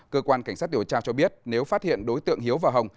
cơ quan cảnh sát điều tra cho biết nếu phát hiện đối tượng hiếu và hồng